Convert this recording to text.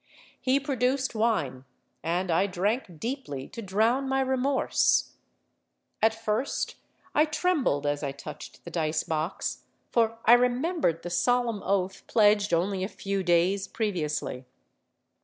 He produced wine; and I drank deeply to drown my remorse. At first I trembled as I touched the dice box—for I remembered the solemn oath pledged only a few days previously.